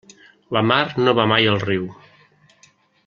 La mar no va mai al riu.